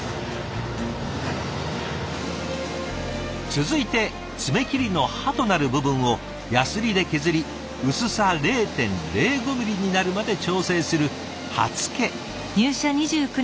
続いてつめ切りの刃となる部分をやすりで削り薄さ０．０５ミリになるまで調整する刃付け。